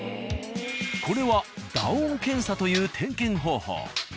これは打音検査という点検方法。